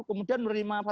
kemudian menerima panggilan